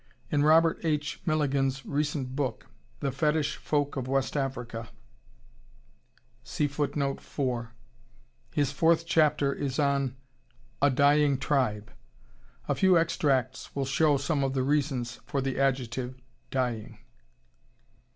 In Robert H. Milligan's recent book, "The Fetish Folk of West Africa," his fourth chapter is on "A Dying Tribe." A few extracts will show some of the reasons for the adjective "Dying."